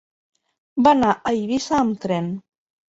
Va anar a Eivissa amb tren.